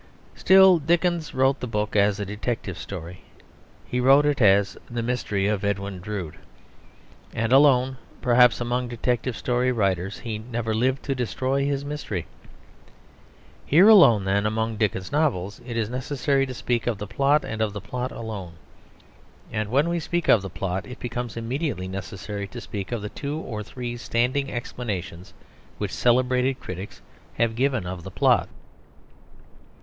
Still, Dickens wrote the book as a detective story; he wrote it as The Mystery of Edwin Drood. And alone, perhaps, among detective story writers, he never lived to destroy his mystery. Here alone then among the Dickens novels it is necessary to speak of the plot and of the plot alone. And when we speak of the plot it becomes immediately necessary to speak of the two or three standing explanations which celebrated critics have given of the plot.